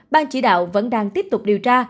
ban chỉ đạo vẫn đang tiếp tục điều tra